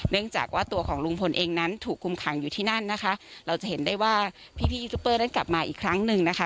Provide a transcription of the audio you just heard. จากว่าตัวของลุงพลเองนั้นถูกคุมขังอยู่ที่นั่นนะคะเราจะเห็นได้ว่าพี่พี่ยูทูปเปอร์นั้นกลับมาอีกครั้งหนึ่งนะคะ